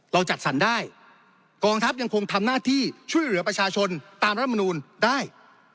จัดสรรได้กองทัพยังคงทำหน้าที่ช่วยเหลือประชาชนตามรัฐมนูลได้